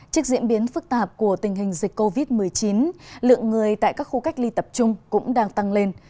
trước diễn biến phức tạp của tình hình dịch covid một mươi chín lượng người tại các khu cách ly tập trung cũng đang tăng lên